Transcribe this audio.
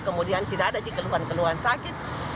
kemudian tidak ada di kedua dua sakit